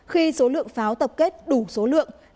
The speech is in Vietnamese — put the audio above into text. khi số lượng pháo tập kết đủ số lượng